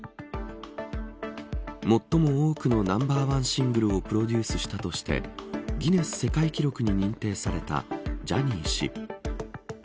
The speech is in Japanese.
最も多くのナンバーワンシングルをプロデュースしたとしてギネス世界記録に認定されたジャニー氏。